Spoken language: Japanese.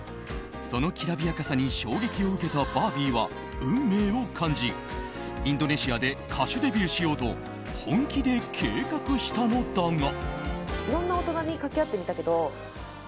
そのきらびやかさに衝撃を受けたバービーは運命を感じ、インドネシアで歌手デビューしようと本気で計画したのだが。